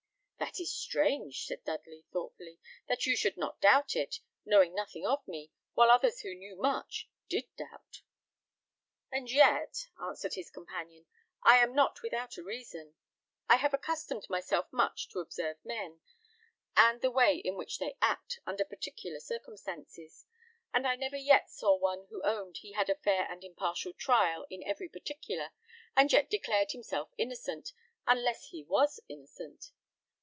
"That is strange!" said Dudley, thoughtfully; "that you should not doubt it, knowing nothing of me, while others who knew much, did doubt." "And yet," answered his companion, "I am not without a reason. I have accustomed myself much to observe men, and the way in which they act, under particular circumstances, and I never yet saw one who owned he had a fair and impartial trial in every particular, and yet declared himself innocent, unless he was innocent.